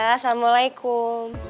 oke tante assalamualaikum